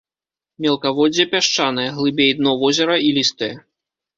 Мелкаводдзе пясчанае, глыбей дно возера ілістае.